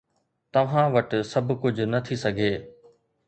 توهان وٽ سڀ ڪجهه نه ٿي سگهي.